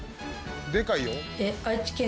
でかいよ。